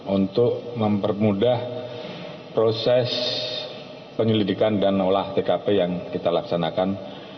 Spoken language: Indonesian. untuk mempermudah proses penyelidikan dan olah tkp yang kita laksanakan